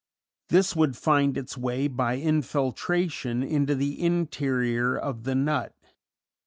This would find its way by infiltration into the interior of the nut.